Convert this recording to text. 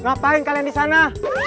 ngapain kalian disana